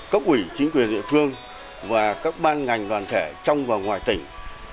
cấp ủy chính quyền địa phương và các ban ngành đoàn thể trong và ngoài tỉnh